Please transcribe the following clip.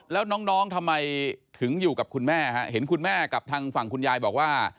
แล้วน้องทำไมถึงอยู่กับคุณแม่ฮะเห็นคุณแม่กับทางฝั่งคุณยายบอกว่า